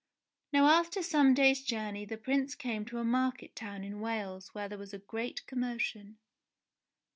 Now after some days' journey the Prince came to a market town in Wales where there was a great commotion.